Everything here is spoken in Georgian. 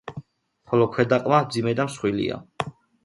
ხოლო ქვედა ყბა, მძიმე და მსხვილია.